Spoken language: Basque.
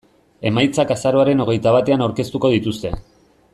Emaitzak azaroaren hogeita batean aurkeztuko dituzte.